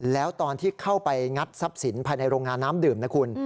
แล้วตอนที่เข้าไปงัดทรัพย์สินภายในโรงงานน้ำดื่มนะคุณ